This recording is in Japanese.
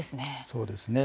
そうですね。